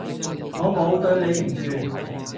我冇對你唔住